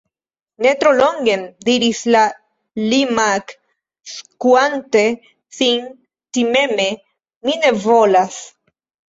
"Ne! Tro longen!" diris la limak', skuante sin timeme,"Mi ne volas."